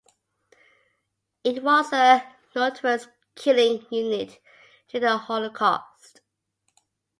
It was a notorious killing unit during the Holocaust.